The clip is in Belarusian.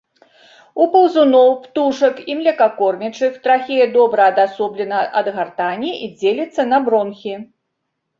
У паўзуноў, птушак і млекакормячых трахея добра адасоблена ад гартані і дзеліцца на бронхі.